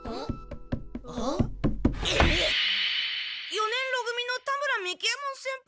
四年ろ組の田村三木ヱ門先輩。